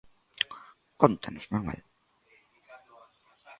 Cóntanos, Manuel.